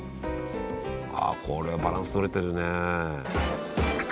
ああこれバランス取れてるね。